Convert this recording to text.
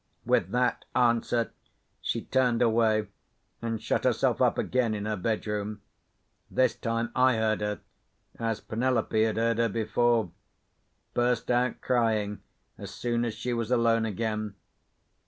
With that answer, she turned away, and shut herself up again in her bedroom. This time, I heard her—as Penelope had heard her before—burst out crying as soon as she was alone again.